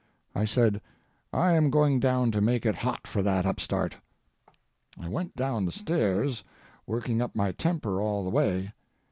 I said; "I am going down to make it hot for that upstart!" I went down the stairs, working up my temper all the way.